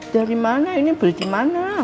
dari mana ini beli dimana